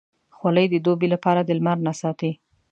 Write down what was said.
خولۍ د دوبې لپاره د لمر نه ساتي.